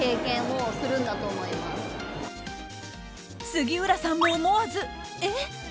杉浦さんも思わず、えっ？